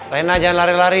rena jangan lari lari